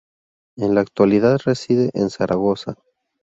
En la actualidad reside en Zaragoza.